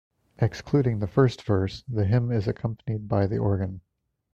Excluding the first verse, the hymn is accompanied by the organ.